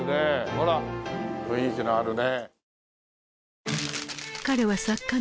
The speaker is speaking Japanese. ほら雰囲気のあるね。